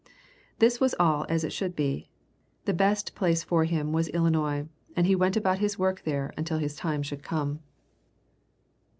This was all as it should be. The best place for him was Illinois, and he went about his work there until his time should come.